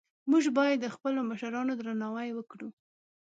موږ باید د خپلو مشرانو درناوی وکړو